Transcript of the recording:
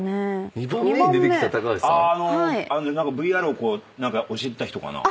ＶＲをこう教えてた人かな？